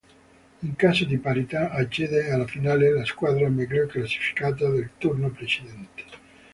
In caso di parità accede alla finale la squadra meglio classificata nel turno precedente.